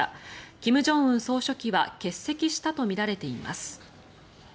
金正恩総書記は欠席したとみられています。